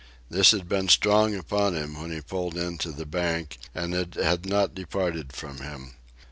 This had been strong upon him when he pulled in to the bank, and it had not departed from him.